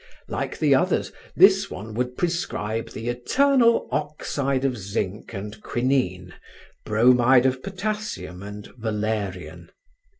Like the others, this one would prescribe the eternal oxyde of zinc and quinine, bromide of potassium and valerian.